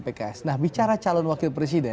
pks nah bicara calon wakil presiden